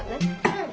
うん。